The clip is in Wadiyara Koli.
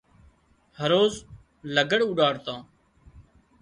هروز لگھڙ اُوڏاڙتان